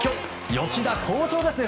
吉田は絶好調ですね。